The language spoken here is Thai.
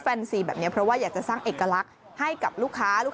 ซีแบบนี้เพราะว่าอยากจะสร้างเอกลักษณ์ให้กับลูกค้าลูกค้า